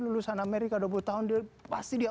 lulusan amerika dua puluh tahun pasti dia